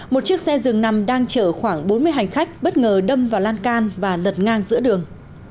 một chiếc xe dừng nằm đang chở khoảng bốn mươi hành khách bất ngờ đâm vào lan can và lật ngang giữa đường